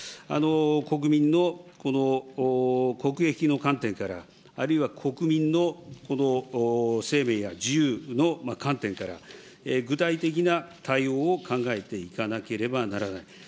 国民の国益の観点から、あるいは、国民の生命や自由の観点から、具体的な対応を考えていかなければならない。